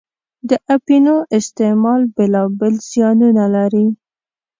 د اپینو استعمال بېلا بېل زیانونه لري.